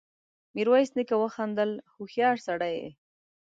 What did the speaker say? ميرويس نيکه وخندل: هوښيار سړی يې!